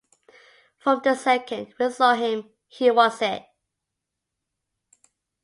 From the second we saw him, he was it.